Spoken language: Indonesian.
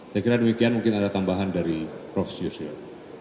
saya kira demikian mungkin ada tambahan dari prof yusril